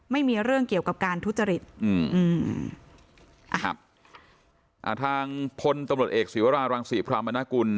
ไม่มีเรื่องเกี่ยวกับการทุจริตอืมอืมอ่าครับอ่าทางพลตำรวจเอกศีวรารังศรีพรามนากุล